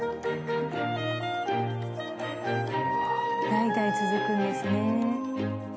代々続くんですね。